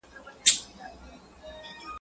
زلمي، زلمي کلونه جهاني قبر ته توی سول.